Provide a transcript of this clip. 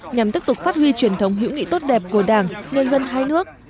nhằm tiếp tục phát huy truyền thống hữu nghị tốt đẹp của đảng nhân dân hai nước